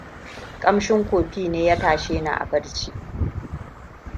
Kamshin kofi ne ya tashe ni a barci.